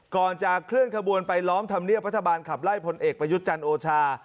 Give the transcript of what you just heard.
ก่อนจะเคลื่อนขบวนไปล้อมธรรมเนียบรัฐบาลขับไล่พลเอกประยุทธ์จันทร์โอชา